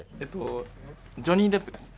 ジョニー・デップです。